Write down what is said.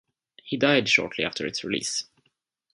He died shortly after its release.